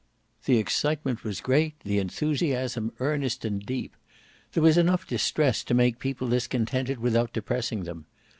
The excitement was great, the enthusiasm earnest and deep. There was enough distress to make people discontented without depressing them.